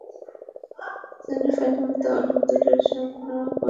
Semifinal তো অনেক দূরের স্বপ্ন, কোয়ার্টার ফাইনালই তো এখনো নিশ্চিত নয়।